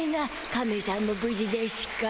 カメしゃんもぶじでしゅか？